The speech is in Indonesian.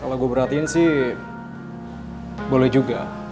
kalau gue perhatiin sih boleh juga